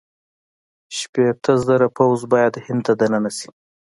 شپېته زره پوځ باید هند ته دننه شي.